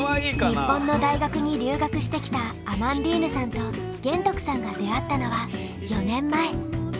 日本の大学に留学してきたアマンディーヌさんと玄徳さんが出会ったのは４年前。